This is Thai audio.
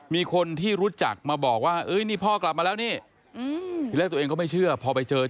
มีคนที่รู้จักมาบอกว่านี่พ่อกลับมาแล้ว